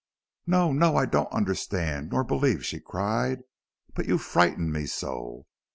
"No no I don't understand nor believe!" she cried. "But you frighten me so!